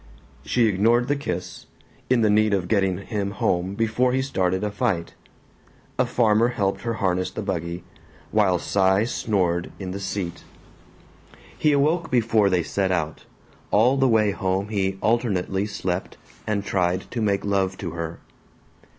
.. She ignored the kiss, in the need of getting him home before he started a fight. A farmer helped her harness the buggy, while Cy snored in the seat. He awoke before they set out; all the way home he alternately slept and tried to make love to her.